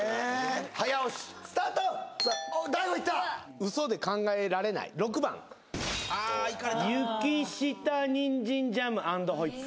早押しスタートおっ大悟いったウソで考えられない６番あいかれた雪下人参ジャム＆ホイップ